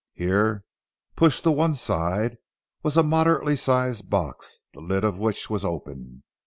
Here, pushed to one side, was a moderately sized box, the lid of which was open.